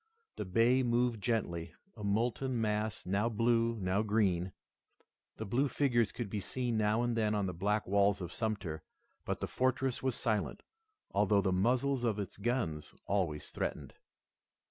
The bay moved gently, a molten mass now blue, now green. The blue figures could be seen now and then on the black walls of Sumter, but the fortress was silent, although the muzzles of its guns always threatened.